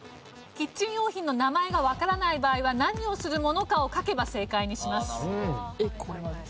キッチン用品の名前がわからない場合は何をするものかを書けば正解にします。